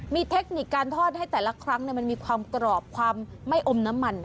มีเทคนิคการทอดให้แต่ละครั้งมันมีความกรอบความไม่อมน้ำมัน